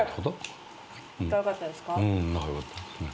仲良かったですね。